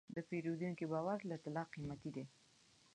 د پیرودونکي باور له طلا قیمتي دی.